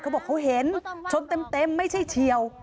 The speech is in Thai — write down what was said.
เขาบอกเขาเห็นชนเต็มไม่ใช่เฉียว